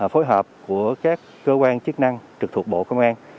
phối hợp của các cơ quan chức năng trực thuộc bộ công an